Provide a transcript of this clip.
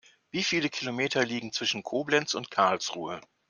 Wie viele Kilometer liegen zwischen Koblenz und Karlsruhe?